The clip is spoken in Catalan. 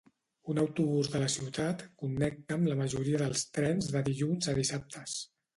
Un autobús de la ciutat connecta amb la majoria dels trens de dilluns a dissabtes.